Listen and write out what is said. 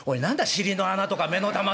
尻の穴とか目の玉とか」。